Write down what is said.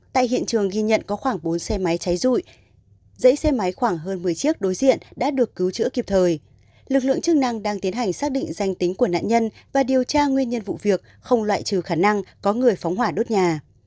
tại hiện trường ghi nhận có khoảng bốn xe máy cháy rụi dãy xe máy khoảng hơn một mươi chiếc đối diện đã được cứu chữa kịp thời lực lượng chức năng đang tiến hành xác định danh tính của nạn nhân và điều tra nguyên nhân vụ việc không loại trừ khả năng có người phóng hỏa đốt nhà